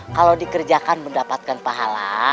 kalau dikerjakan mendapatkan pahala